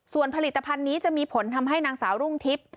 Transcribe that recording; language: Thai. ส่วนผลิตภัณฑ์นี้จะมีผลทำให้นางสาวรุ่งทิพย์